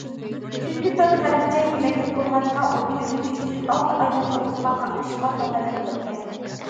چۈنكى تورت غەربچە يېمەكلىك بولغاچقا، ئۇنى ئۆگىنىش ئۈچۈن ئالتە ئايلىق كۇرسقا قاتنىشىشقا توغرا كېلىدىكەن.